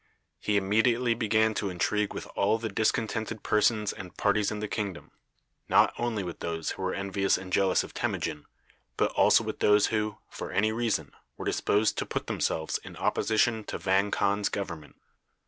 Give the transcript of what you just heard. He immediately began to intrigue with all the discontented persons and parties in the kingdom, not only with those who were envious and jealous of Temujin, but also with all those who, for any reason, were disposed to put themselves in opposition to Vang Khan's government.